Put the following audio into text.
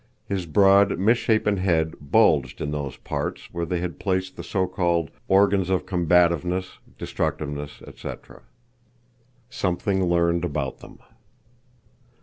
His broad, mis shapen head bulged in those parts where they had placed the so called organs of combativeness, destructiveness, etc. Something Learned About Them.